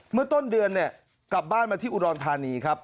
เมื่อต้นเดือนเนี่ยกลับบ้านมาที่อุดรธานีครับ